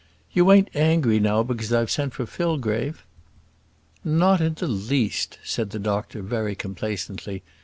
"You ain't angry now because I've sent for Fillgrave?" "Not in the least," said the doctor very complacently.